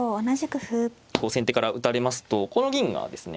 先手から打たれますとこの銀がですね